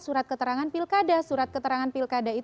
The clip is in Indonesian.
surat keterangan pilkada